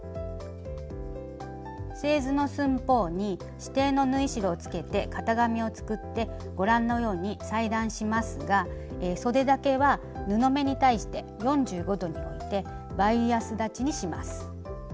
製図の寸法に指定の縫い代をつけて型紙を作ってご覧のように裁断しますがそでだけは布目に対して４５度に置いてバイアス裁ちにします。